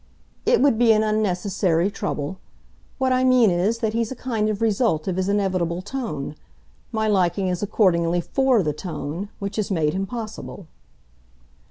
"It would be an unnecessary trouble. What I mean is that he's a kind of result of his inevitable tone. My liking is accordingly FOR the tone which has made him possible."